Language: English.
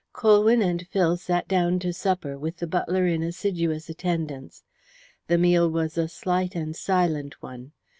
Colwyn and Phil sat down to supper, with the butler in assiduous attendance. The meal was a slight and silent one.